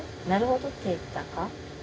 なるほどって言ったか？